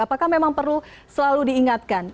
apakah memang perlu selalu diingatkan